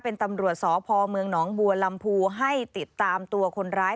เป็นตำรวจสพเมืองหนองบัวลำพูให้ติดตามตัวคนร้าย